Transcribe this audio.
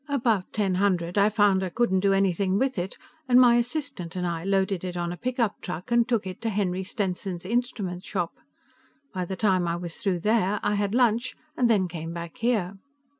About ten hundred, I found I couldn't do anything with it, and my assistant and I loaded it on a pickup truck and took it to Henry Stenson's instrument shop. By the time I was through there, I had lunch and then came back here."